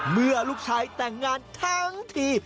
เมื่อลูกชายแต่งงานทั้งที